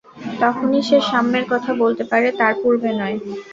তখনই সে সাম্যের কথা বলতে পারে, তার পূর্বে নয়।